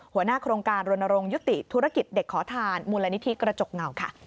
หัวหน้าโครงการรณรงค์ยุติธุรกิจเด็กขอทานมูลนิธิกระจกเงาค่ะ